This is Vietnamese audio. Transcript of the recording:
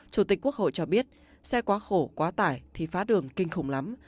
chủ tịch quốc hội cho biết xe quá khổ quá tải thì phá đường kinh khủng lắm